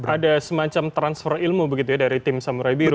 ada semacam transfer ilmu begitu ya dari tim samurai biru